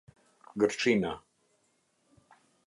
Gërçina